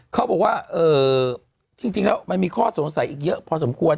เขาบอกว่าจริงแล้วมันมีข้อสงสัยอีกเยอะพอสมควร